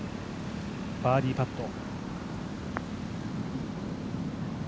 バーディーパット。